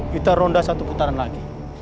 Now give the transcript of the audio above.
kita ronda satu putaran lagi